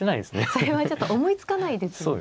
それはちょっと思いつかないですよね。